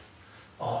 ああ。